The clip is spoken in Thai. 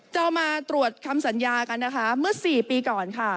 เรามาตรวจคำสัญญากันนะคะเมื่อ๔ปีก่อนค่ะ